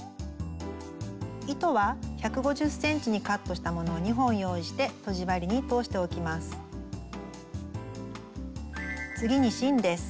糸は１５０ｃｍにカットしたものを２本用意してとじ針に通しておきます。